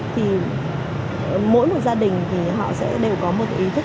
thì mỗi một gia đình thì họ sẽ đều có một ý thức